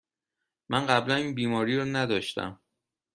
من قبلاً این بیماری را نداشتم.